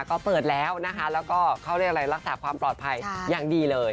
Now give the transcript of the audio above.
ก็เปิดแล้วนะคะแล้วก็เขาเรียกอะไรรักษาความปลอดภัยอย่างดีเลย